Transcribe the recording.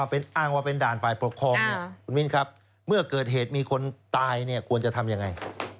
เป็นอ้างว่าเป็นด่านฝ่ายปกครองเนี่ยคุณมินครับเมื่อเกิดเหตุมีคนตายเนี่ยควรจะทำยังไง